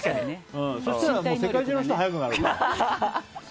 そしたら世界中の人が速くなるから。